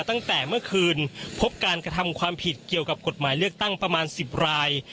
ตั้งแต่เมื่อคืนพบการกระทำความผิดเกี่ยวกับกฎหมายเลือกตั้งประมาณ๑๐ราย